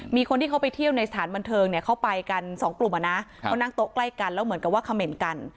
มีคนที่เขาไปเที่ยวในสถานบันเทิงเนี่ยเขาไปกันสองกลุ่มอ่ะนะเขานั่งโต๊ะใกล้กันแล้วเหมือนกับว่าเขม่นกัน